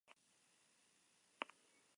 De la planta cuarta a la novena no hay balcones.